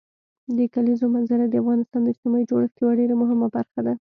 د کلیزو منظره د افغانستان د اجتماعي جوړښت یوه ډېره مهمه برخه ده.